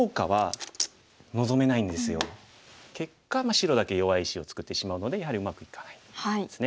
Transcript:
結果白だけ弱い石を作ってしまうのでやはりうまくいかないんですね。